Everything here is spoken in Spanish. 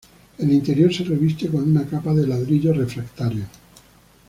El interior se reviste con una capa de ladrillos refractarios.